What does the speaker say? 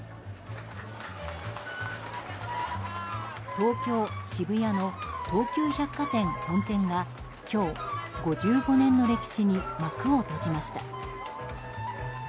東京・渋谷の東急百貨店・本店が今日、５５年の歴史に幕を閉じました。